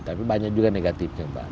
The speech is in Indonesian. tapi banyak juga negatifnya